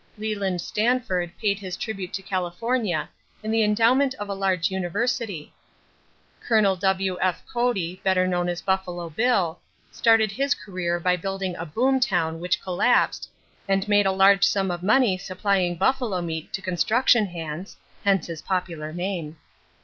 Leland Stanford paid his tribute to California in the endowment of a large university. Colonel W.F. Cody, better known as "Buffalo Bill," started his career by building a "boom town" which collapsed, and made a large sum of money supplying buffalo meat to construction hands (hence his popular name).